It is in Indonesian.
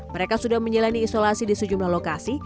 mereka sudah menjalani isolasi di sejumlah lokasi